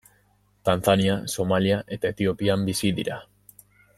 Tanzania, Somalia eta Etiopian bizi dira.